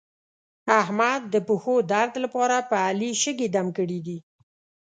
احمد د پښو درد لپاره په علي شګې دم کړې دي.